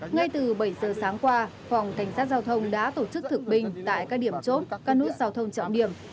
ngay từ bảy giờ sáng qua phòng cảnh sát giao thông đã tổ chức thực binh tại các điểm chốt các nút giao thông trọng điểm